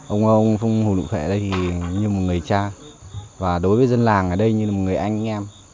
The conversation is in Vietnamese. ông hồ đụng phệ ở đây thì như một người cha và đối với dân làng ở đây như một người anh em